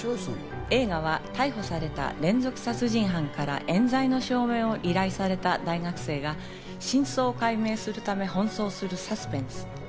映画は逮捕された連続殺人犯から冤罪の証明を依頼された大学生が真相を解明するため奔走するサスペンス。